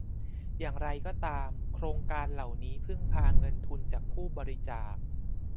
อย่างไรก็ตามโครงการเหล่านี้พึ่งพาเงินทุนจากผู้บริจาค